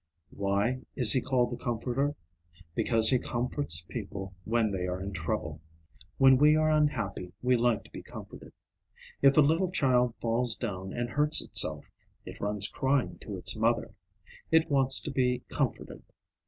Why is he called the Comforter? Because he comforts people when they are in trouble. When we are unhappy we like to be comforted. If a little child falls down and hurts itself, it runs crying to its mother; it wants to be comforted.